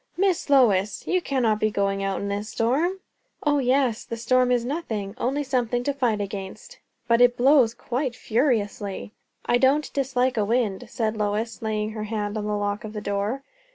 "Miss Lois! you cannot be going out in this storm?" "O yes. The storm is nothing only something to fight against." "But it blows quite furiously." "I don't dislike a wind," said Lois, laying her hand on the lock of the door.